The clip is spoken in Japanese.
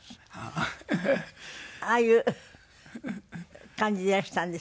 ああいう感じでいらしたんですね。